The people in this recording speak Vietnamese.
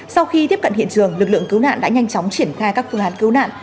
sau khi tiếp cận hiện trường lực lượng cứu nạn đã nhanh chóng triển khai các phương án cứu nạn